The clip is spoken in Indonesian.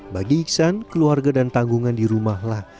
bagi iksan keluarga dan tanggungan di rumahlah